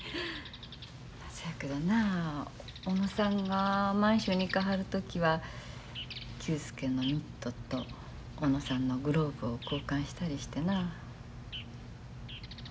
そやけどなあ小野さんが満州に行かはる時は久助のミットと小野さんのグローブを交換したりしてな。